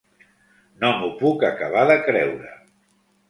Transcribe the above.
No m’ho puc acabar de creure.